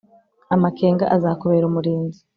Amakenga azakubera umurinzi